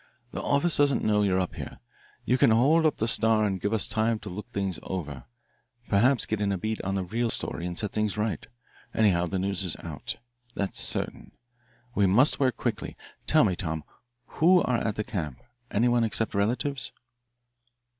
The office doesn't know you're up here. You can hold up the Star and give us time to look things over, perhaps get in a beat on the real story and set things right. Anyhow, the news is out. That's certain. We must work quickly. Tell me, Tom, who are at the camp anyone except relatives?"